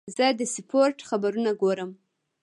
زه د سپورت خبرونه ګورم.